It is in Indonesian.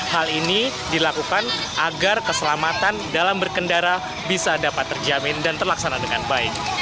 hal ini dilakukan agar keselamatan dalam berkendara bisa dapat terjamin dan terlaksana dengan baik